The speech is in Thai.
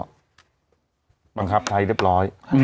บังคับใช้เรียบร้อย